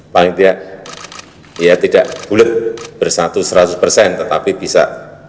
paling tidak ya tidak bulet bersatu seratus persen tetapi bisa